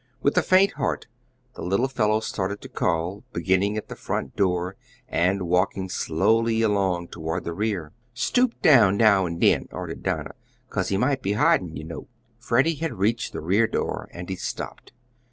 With a faint heart the little fellow started to call, beginning at the front door and walking slowly along toward the rear. "Stoop down now and den," ordered Dinah, "cause he might be hiding, you know." Freddie had reached the rear door and he stopped.